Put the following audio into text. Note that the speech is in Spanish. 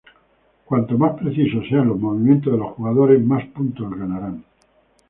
Cuanto más precisos sean los movimientos de los jugadores, más puntos ganarán.